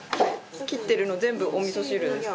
切ってるの全部お味噌汁ですか？